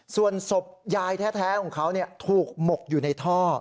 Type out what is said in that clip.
ส่วนศพยายแท้ของเขาถูกหมกอยู่ในท่อ